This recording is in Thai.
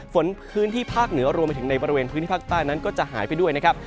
ฝนพื้นที่ภาคเหนือรวมไปถึงในบริเวณพื้นที่ภาคใต้นั้นก็จะหายไปด้วยนะครับ